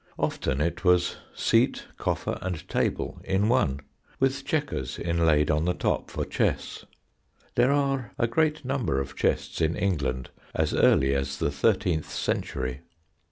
Often it was seat, coffer, and table in one, with chequers inlaid on the top for chess. There are a great number of chests in England as early as the thirteenth century.